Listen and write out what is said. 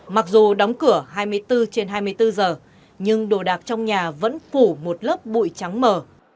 mặc dù đóng cửa hai mươi bốn trên hai mươi bốn giờ nhưng đồ đạc trong nhà vẫn phủ một lớp bụi trắng mờ